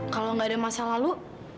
kalau nggak ada masa lalu